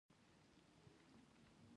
ایا زه باید زوی شم؟